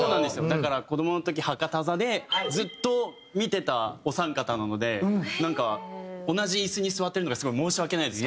だから子どもの時博多座でずっと見てたお三方なのでなんか同じ椅子に座ってるのがすごい申し訳ないです。